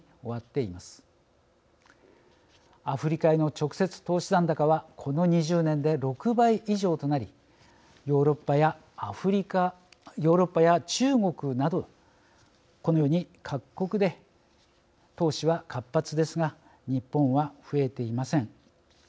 アフリカへの直接投資残高はこの２０年で６倍以上となりヨーロッパやアフリカヨーロッパや中国などこのように各国で投資は活発ですが日本は増えていません。